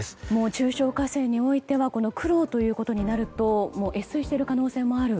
中小河川においては黒ということになると越水している可能性があると。